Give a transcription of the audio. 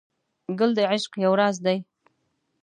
ګل د عشق یو راز دی.